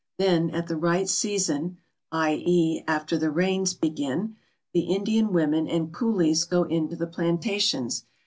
Then at the right season, i.e. after the rains begin, the Indian women and coolies go into the plantations.